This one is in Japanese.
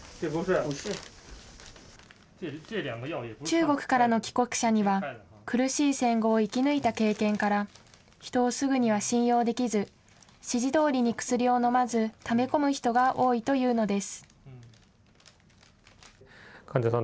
中国からの帰国者には、苦しい戦後を生き抜いた経験から、人をすぐには信用できず、指示どおりに薬を飲まず、ため込む人が多いというのです。